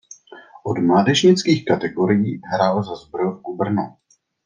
Od mládežnických kategorií hrál za Zbrojovku Brno.